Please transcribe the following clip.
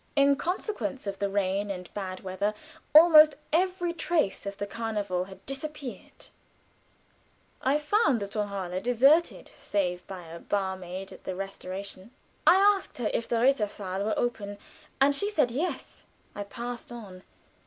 In consequence of the rain and bad weather almost every trace of the carnival had disappeared. I found the Tonhalle deserted save by a bar maid at the restauration. I asked her if the rittersaal were open, and she said yes. I passed on.